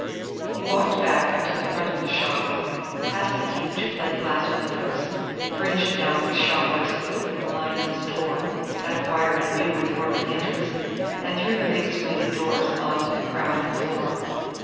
He walked back to the front of the shop, passed the huge plate glass windows, fringed now with shoppers with whom Lyne's Store had acquired a new and morbid interest, and through the big swinging doors on to the crowded floor.